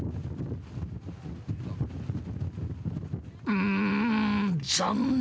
うーん残念！